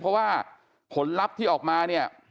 เพราะว่าผลลัพธ์ที่ออกมาเนี่ย